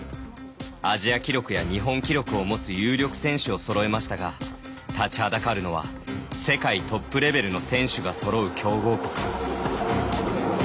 アジア記録や日本記録を持つ有力選手をそろえましたが立ちはだかるのは世界トップレベルの選手がそろう強豪国。